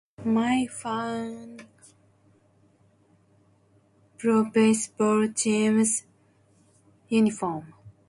聞く